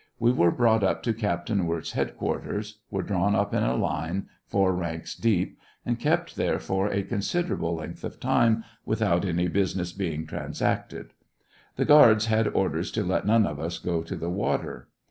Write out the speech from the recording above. We were brought up to Captain Wirz's headquarters ; were drawn «p in line, four ranks deep, and kept there for a considerable length of time, without any bnsiness being transacted. The guards had orders to let none of us go to the water.